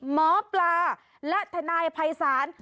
หมอปลาและทนายภัยศาล